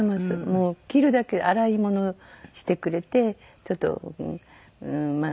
もう切るだけ洗い物してくれてちょっとまあ